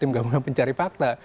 tim gabungan pencari pakla